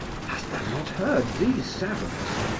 Hast thou not heard these sounds?